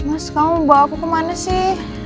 mas kamu bawa aku kemana sih